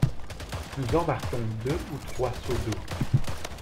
Nous embarquions deux ou trois seaux d'eau.